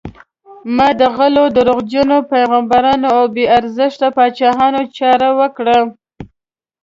ما د غلو، دروغجنو پیغمبرانو او بې ارزښته پاچاهانو چاره وکړه.